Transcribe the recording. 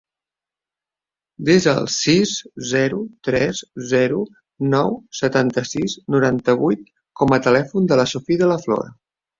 Desa el sis, zero, tres, zero, nou, setanta-sis, noranta-vuit com a telèfon de la Sophie De La Flor.